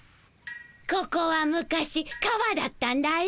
ここは昔川だったんだよ。